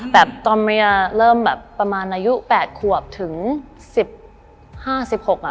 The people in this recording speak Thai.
ตอนเมียเริ่มแบบประมาณอายุ๘ขวบถึง๑๕๑๖อ่ะ